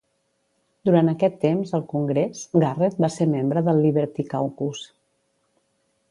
Durant aquest temps al Congrés, Garrett va ser membre del Liberty Caucus.